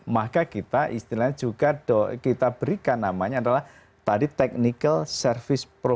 maka kita istilahnya juga kita berikan namanya adalah tadi technical service provi